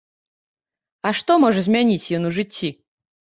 А што можа змяніць ён у жыцці?